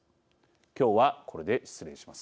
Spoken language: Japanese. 今日はこれで失礼します。